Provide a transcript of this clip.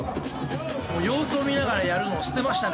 もう様子を見ながらやるのを捨てましたね。